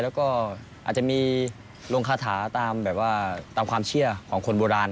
แล้วก็อาจจะมีลงคาถาตามแบบว่าตามความเชื่อของคนโบราณ